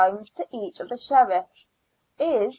to each of the Sheriffs, IS.